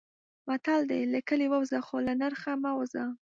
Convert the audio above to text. متل دی: له کلي ووځه خو له نرخه مه وځه.